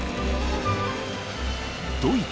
［ドイツ］